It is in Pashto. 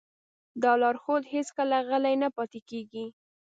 دا لارښود هېڅکله غلی نه پاتې کېږي.